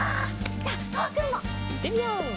じゃとわくんも。いってみよう！